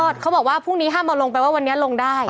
เขาบอกว่าพรุ่งนี้๕โมงลงแปลว่าวันนี้ลงได้